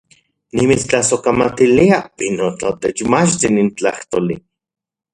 ¡Nimitstlasojkamatilia, pinotl, otechmachti nin tlajtoli!